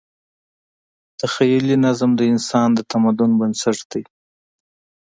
تخیلي نظم د انسان د تمدن بنسټ دی.